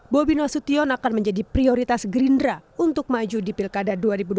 bobi nasution akan menjadi prioritas gerindra untuk maju di pilkada dua ribu dua puluh